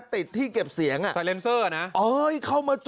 ติดที่เก็บเสียงอ่ะไซเลนเซอร์อ่ะน่ะเออเข้ามาจ่อ